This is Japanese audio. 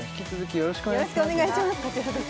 よろしくお願いします